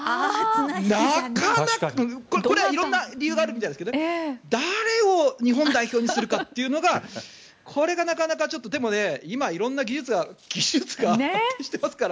なかなかこれは色んな理由があるみたいですが誰を日本代表にするかっていうのがこれがなかなかでも今は色んな技術が結集というか、してますから。